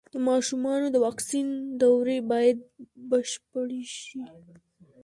د ماشومانو د واکسین دورې بايد بشپړې شي.